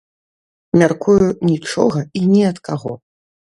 Мяркую, нічога і ні ад каго.